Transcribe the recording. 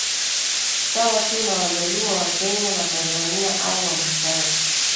Sawa tu na wajaluo wa kenya na tanzania au wamasai